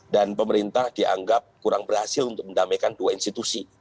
dan pemerintah dianggap kurang berhasil untuk mendamaikan dua institusi